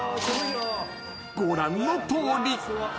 ［ご覧のとおり］